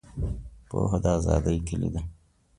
پوهه د آزادۍ کیلي ده.